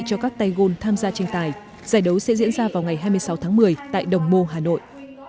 cho các tay gôn tham gia tranh tài giải đấu sẽ diễn ra vào ngày hai mươi sáu tháng một mươi tại đồng mô hà nội